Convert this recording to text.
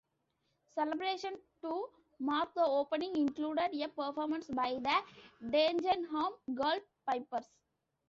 Celebrations to mark the opening included a performance by the Dagenham Girl Pipers.